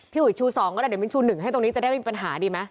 พี่หวีชูสองก็ได้เดี๋ยวชูหนึ่งให้ตรงนี้จะได้มีปัญหาดีมั้ย